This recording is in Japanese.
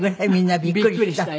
びっくりした。